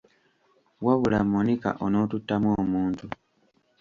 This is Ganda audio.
Wabula Monica onoottutamu omuntu.